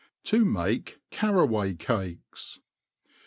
To make Carraiuay Cakes.